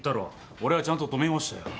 俺はちゃんと止めましたよ？